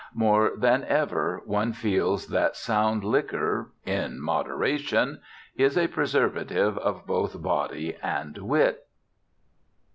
More than ever one feels that sound liquor, in moderation, is a preservative of both body and wit.